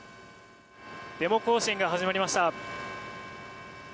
デモ行進が始まりました。